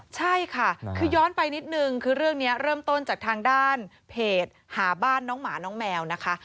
ใช่ค่ะคือย้อนไปนิดนึงคือเรื่องนี้เริ่มต้นจากทางด้านเพจหาบ้านน้องหมาน้องแมวนะคะ